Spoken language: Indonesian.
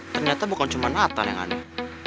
ternyata bukan cuma natal yang aneh